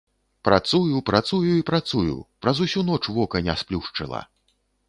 Працую, працую і працую, праз усю ноч вока не сплюшчыла.